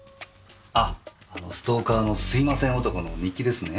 あっストーカーのすいません男の日記ですね？